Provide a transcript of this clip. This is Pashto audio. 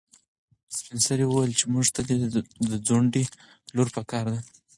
سپین سرې وویل چې موږ ته د ځونډي لور په کار ده.